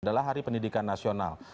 adalah hari pendidikan nasional